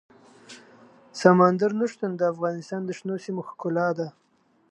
سمندر نه شتون د افغانستان د شنو سیمو ښکلا ده.